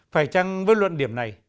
phải chăng với luận điểm này